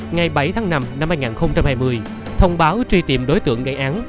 ngày bảy tháng năm năm hai nghìn hai mươi thông báo truy tìm đối tượng gây án